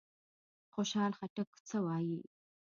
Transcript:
خوشحال خټک څه وايي؟